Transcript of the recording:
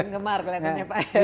gemar pelayanannya pak ero